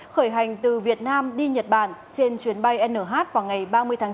khởi hành từ việt nam đi nhật bản trên chuyến bay nh vào ngày ba mươi tháng bốn